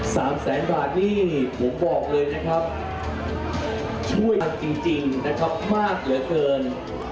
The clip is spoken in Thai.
สามแสนบาทนี่ผมบอกเลยนะครับช่วยเราจริงจริงนะครับมากเหลือเกิน